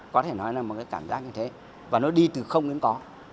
có thể nói là một cái cảm giác như thế và nó đi từ không đến có